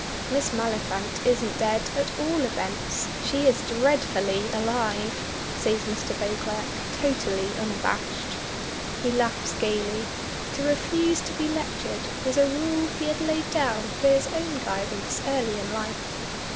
"Miss Maliphant isn't dead at all events. She is dreadfully alive," says Mr. Beauclerk, totally unabashed. He laughs gaily. To refuse to be lectured was a rule he had laid down for his own guidance early in life.